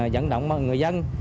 dẫn động người dân